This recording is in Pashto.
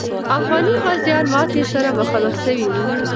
افغاني غازیان ماتي سره مخامخ سوي وو.